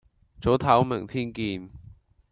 早唞，明天見